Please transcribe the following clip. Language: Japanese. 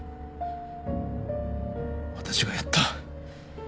私がやった。